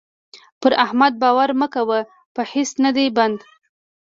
پر احمد باور مه کوه؛ په هيڅ نه دی بند.